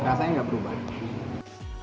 rasanya gak berubah